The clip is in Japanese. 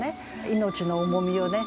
命の重みをね